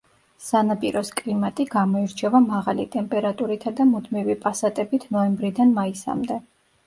სანაპიროს კლიმატი გამოირჩევა მაღალი ტემპერატურითა და მუდმივი პასატებით ნოემბრიდან მაისამდე.